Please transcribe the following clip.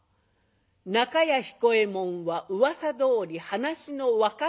中屋彦右衛門はうわさどおり話の分かる人でした。